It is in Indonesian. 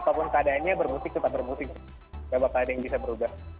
apapun keadaannya bermusik tetap bermusik nggak apa apa ada yang bisa berubah